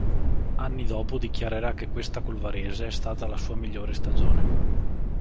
Anni dopo dichiarerà che questa col Varese è stata la sua migliore stagione.